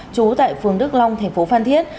trú tại phường đức long tp phan thiết